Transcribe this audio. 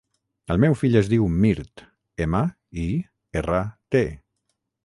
El meu fill es diu Mirt: ema, i, erra, te.